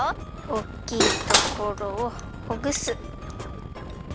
おっきいところをほぐす。